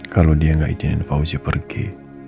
kalau dia gak izinin fauzi pergi